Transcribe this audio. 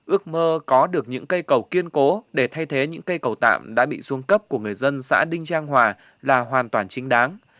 ước mơ có được những cây cầu kiên cố để thay thế những cây cầu tạm đã bị xuống cấp của người dân xã đinh trang hòa là hoàn toàn chính đáng